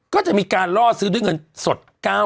ก็จะมีการล่อซื้อด้วยเงินสด